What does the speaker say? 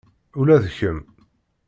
Ula d kemm.